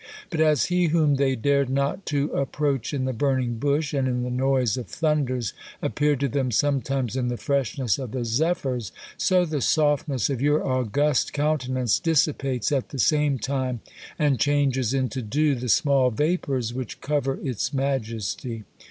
But as He whom they dared not to approach in the burning bush, and in the noise of thunders, appeared to them sometimes in the freshness of the zephyrs, so the softness of your august countenance dissipates at the same time, and changes into dew, the small vapours which cover its majesty."